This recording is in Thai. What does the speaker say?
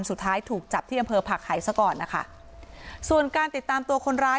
สุดท้ายถูกจับที่อำเภอผักหายซะก่อนนะคะส่วนการติดตามตัวคนร้าย